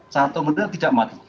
syarat formal tidak mati